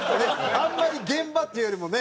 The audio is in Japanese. あんまり現場っていうよりもね。